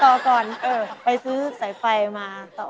ก่อนไปซื้อสายไฟมาต่อ